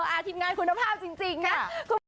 อาทิตย์งานคุณภาพจริงนะ